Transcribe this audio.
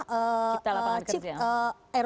cipta lapangan kerja